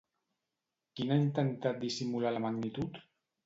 Qui n'ha intentat dissimular la magnitud?